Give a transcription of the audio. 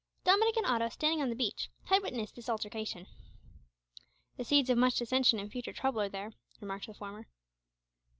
Dominick and Otto, standing on the beach, had witnessed this altercation. "The seeds of much dissension and future trouble are there," remarked the former.